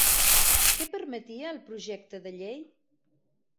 Què permetia el projecte de llei?